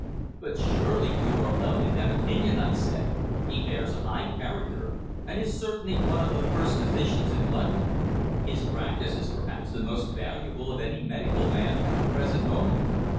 "But surely you are alone in that opinion!" I said. "He bears a high character, and is certainly one of the first physicians in London. His practice is perhaps the most valuable of any medical man at the present moment."